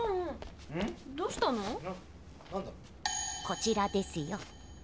こちらですよ。